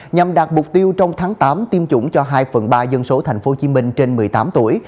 nhằm đạt mục tiêu trong tháng tám tiêm chủng cho hai phần ba dân số tp hcm trên một mươi tám tuổi